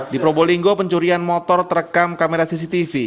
di probolinggo pencurian motor terekam kamera cctv